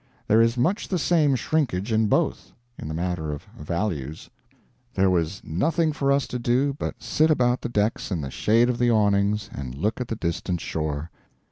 There is much the same shrinkage in both, in the matter of values. There was nothing for us to do but sit about the decks in the shade of the awnings and look at the distant shore.